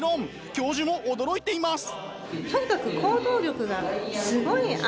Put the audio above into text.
教授も驚いています。